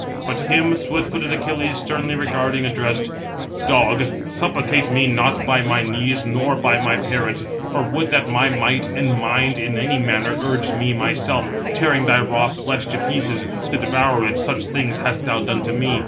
But him swift footed Achilles, sternly regarding, addressed; "Dog, supplicate me not by my knees, nor by my parents; for would that my might and mind in any manner urge me myself, tearing thy raw flesh to pieces, to devour it, such things hast thou done to me.